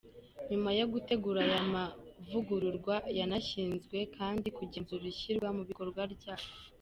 Nyuma yo gutegura aya mavugururwa, yanashinzwe kandi kugenzura ishyirwa mu bikorwa ryayo.